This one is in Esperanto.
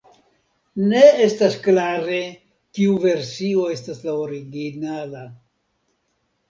Ne estas klare kiu versio estas la originala.